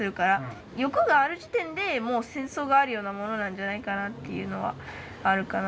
欲がある時点でもう戦争があるようなものなんじゃないかなっていうのはあるかな。